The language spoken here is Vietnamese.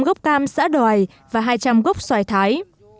hai trăm linh gốc xã đòi và hai trăm linh gốc xoài thái